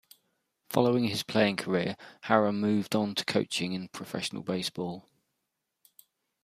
Following his playing career, Harrah moved on to coaching in professional baseball.